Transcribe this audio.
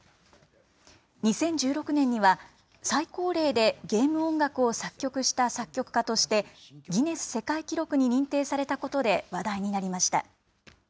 ２０１６年には、最高齢でゲーム音楽を作曲した作曲家として、ギネス世界記録に認定されたことで話題になりました。